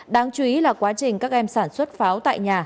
đáng chú ý là quá trình các em sản xuất pháo tại nhà